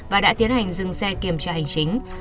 và đã tiến hành dừng xe kiểm tra hành chính